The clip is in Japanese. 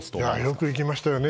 よく行きましたよね。